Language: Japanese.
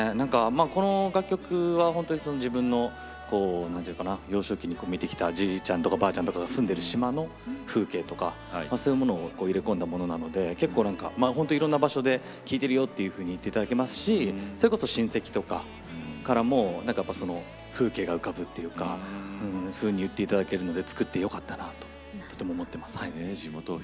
この楽曲は本当に自分の幼少期に見てきたじいちゃんとか、ばあちゃんが住んでる島の風景とかそういうものを入れ込んだものなので結構、本当にいろんな場所で聴いてるよって言っていただけますしそれこそ親戚とかからも風景が浮かぶっていうか言っていただけるので作ってよかったなととても思ってます。